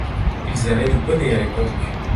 Ils avaient de poneys à l'époque.